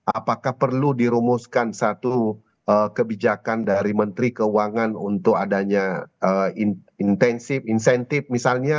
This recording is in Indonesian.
apakah perlu dirumuskan satu kebijakan dari menteri keuangan untuk adanya intensif insentif misalnya